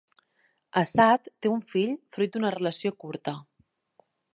Assad té un fill fruit d'una relació curta.